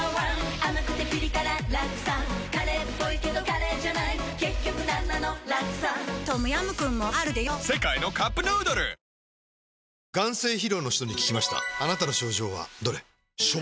甘くてピリ辛ラクサカレーっぽいけどカレーじゃない結局なんなのラクサトムヤムクンもあるでヨ世界のカップヌードル「プチブランチ」木曜日